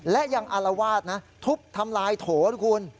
และยังอารวาสนะทุบทำลายโถด้วยคุณ